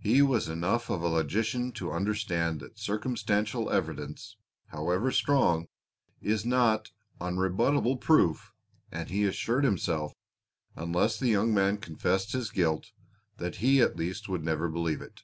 He was enough of a logician to understand that circumstantial evidence, however strong, is not unrebuttable proof, and he assured himself, unless the young man confessed his guilt, that he at least would never believe it.